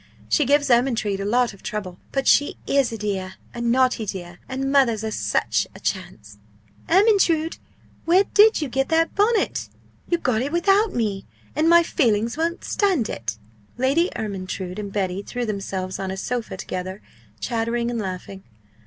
She gives Ermyntrude a lot of trouble, but she is a dear a naughty dear and mothers are such a chance! Ermyntrude! where did you get that bonnet? You got it without me and my feelings won't stand it!" Lady Ermyntrude and Betty threw themselves on a sofa together, chattering and laughing.